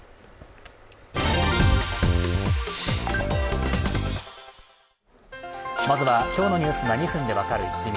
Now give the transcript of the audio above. まず今日のニュースが２分で分かるイッキ見。